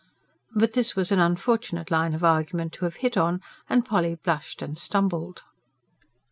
But this was an unfortunate line of argument to have hit on, and Polly blushed and stumbled.